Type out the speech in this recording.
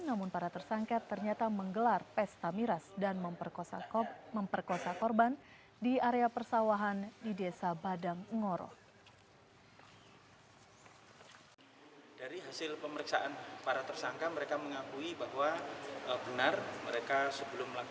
namun para tersangka ternyata menggelar pesta miras dan memperkosa korban di area persawahan di desa padang ngoro